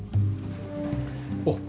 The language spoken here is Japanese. おっ！